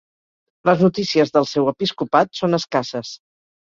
Les notícies del seu episcopat són escasses.